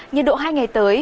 nhiệt độ hai ngày tới